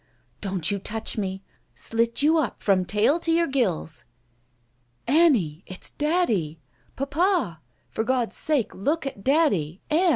"Don't you touch me — slit you up from tail to your gills." "Annie, it's daddy! Papa! For God's sake look at daddy — Ann!